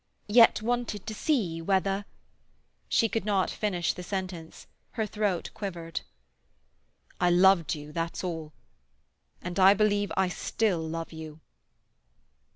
"Yet wanted to see whether—" She could not finish the sentence; her throat quivered. "I loved you, that's all. And I believe I still love you."